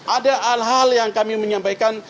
ada hal hal yang kami menyampaikan